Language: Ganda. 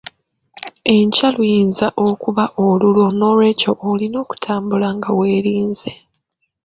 Enkya luyinza okuba olulwo n'olwekyo olina okutambula nga weerinze.